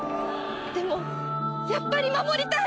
でもやっぱり守りたい！